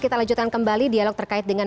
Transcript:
kita lanjutkan kembali dialog terkait dengan